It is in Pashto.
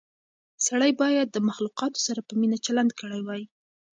سړی باید د مخلوقاتو سره په مینه چلند کړی وای.